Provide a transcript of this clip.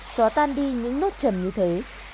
xóa tan đi những nốt chầm như thế